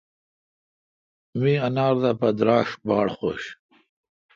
مہ انر دا پہ دراݭ باڑ خوش۔